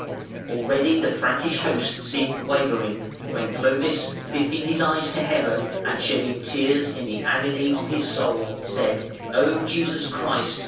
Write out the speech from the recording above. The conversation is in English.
Already the Frankish host seemed wavering, when Clovis, lifting his eyes to heaven and shedding tears in the agony of his soul, said: "O Jesus Christ!